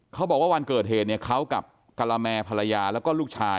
เขาบอกว่าวันเกิดเหตุเนี่ยเขากับกระแมพรายา